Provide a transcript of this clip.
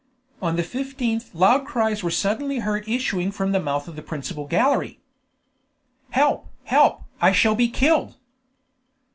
On the 15th loud cries were suddenly heard issuing from the mouth of the principal gallery. "Help, help! I shall be killed!"